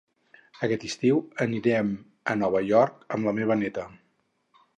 Aquest estiu anirem a Nova York amb la meva neta